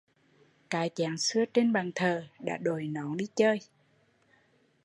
Cái chén xưa trên bàn thờ đã “đội nón đi chơi”